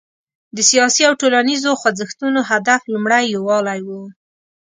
د سیاسي او ټولنیزو خوځښتونو هدف لومړی یووالی و.